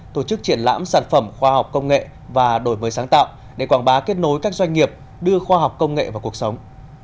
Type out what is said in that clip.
tổ chức triển lãm sản phẩm khoa học công nghệ và đổi mới sáng tạo để quảng bá kết nối các doanh nghiệp đưa khoa học công nghệ vào cuộc sống